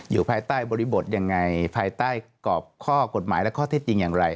ภายใต้บริบทยังไงภายใต้กรอบข้อกฎหมายและข้อเท็จจริงอย่างไร